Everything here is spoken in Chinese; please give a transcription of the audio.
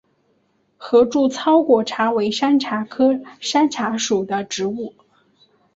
合柱糙果茶为山茶科山茶属的植物。